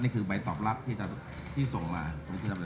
นี่คือใบตอบลับที่ส่งมาอาจารย์ประจักรชัย